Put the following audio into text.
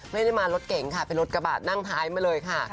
ไม่ได้มารถเก๋งค่ะเป็นรถกระบะนั่งท้ายมาเลยค่ะ